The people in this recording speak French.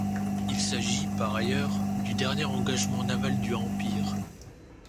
Il s'agit, par ailleurs, du dernier engagement naval du Empire.